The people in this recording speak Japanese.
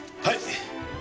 はい！